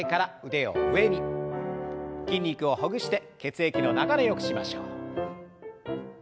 筋肉をほぐして血液の流れよくしましょう。